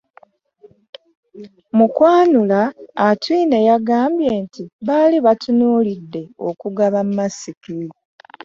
Mu kwanula, Atwine yagambye nti baali batunuulidde okugaba masiki